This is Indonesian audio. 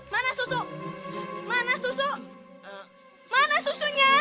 mana susu mana susu mana susunya